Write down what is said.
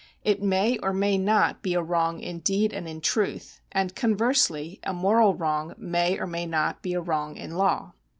It may or may not be a wrong in deed and in truth, and conversely a moral wrong may or may not be a wrong in law.